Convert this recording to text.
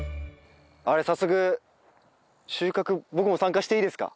あれ早速収穫僕も参加していいですか？